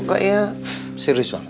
saya serius banget